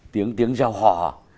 tiếng gieo hò